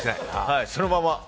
そのまま。